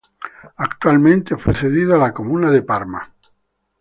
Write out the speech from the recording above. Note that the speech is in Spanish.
Actualmente fue cedido a la comuna de Parma.